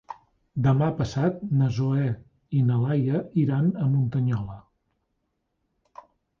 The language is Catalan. Demà passat na Zoè i na Laia iran a Muntanyola.